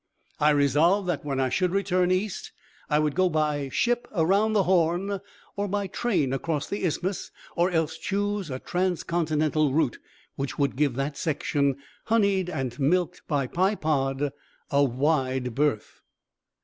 I resolved that when I should return East I would go by ship around the Horn, or by train across the Isthmus, or else choose a trans continental route which would give that section, honied and milked by Pye Pod, a wide berth.